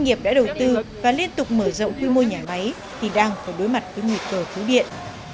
nghiệp đã đầu tư và liên tục mở rộng quy mô nhà máy thì đang phải đối mặt với nguyện cờ phú điện